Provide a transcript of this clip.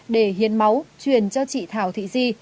để hiến máu truyền cho chị thảo thị di